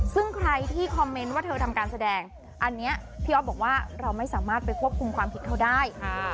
ซึ่งใครที่คอมเมนต์ว่าเธอทำการแสดงอันนี้พี่อ๊อฟบอกว่าเราไม่สามารถไปควบคุมความผิดเขาได้